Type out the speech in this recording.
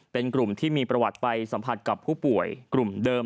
เป็นกลุ่มที่มีประวัติไปสัมผัสกับผู้ป่วยกลุ่มเดิม